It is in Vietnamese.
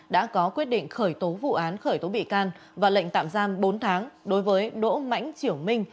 đã có quyết định khởi tố vụ án khởi tố bị can và lệnh tạm giam bốn tháng đối với đỗ mãnh triều minh